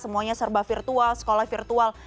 semuanya serba virtual sekolah virtual